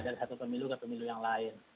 dari satu pemilu ke pemilu yang lain